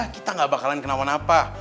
kita gak bakalan kenawan apa